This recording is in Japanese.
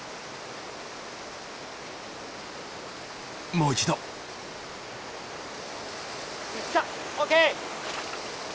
もう一度。来た！ＯＫ！